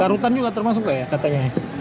karutan juga termasuk lah ya katanya